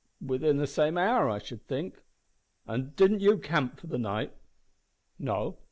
"Within the same hour, I should think." "An' did you camp for the night?" "No.